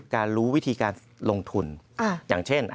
รู้วิธีการลงทุนอย่างเช่น